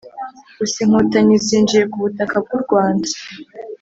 gusa inkotanyi zinjiye ku butaka bw'u rwanda,